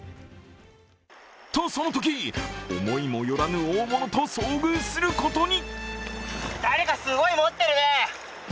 と、そのとき、思いもよらぬ大物と遭遇することに。